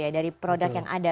dari produk yang ada